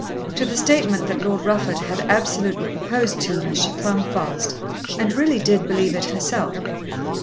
To the statement that Lord Rufford had absolutely proposed to her she clung fast, and really did believe it herself.